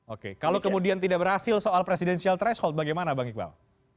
oke kalau kemudian tidak berhasil soal presidensial threshold bagaimana bang iqbal